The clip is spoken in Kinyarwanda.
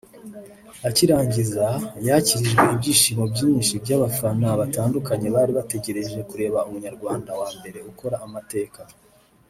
Akirangiza yakirijwe ibyishimo byinshi by’abafana batandukanye bari bategereje kureba Umunyarwanda wa mbere ukora amateka